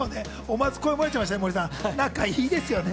思わず声が漏れちゃいましたね。